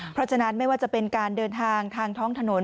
เพราะฉะนั้นไม่ว่าจะเป็นการเดินทางทางท้องถนน